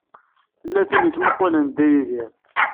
Tella tin i yettmuqqulen Dda Yidir.